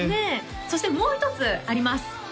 そしてもう一つあります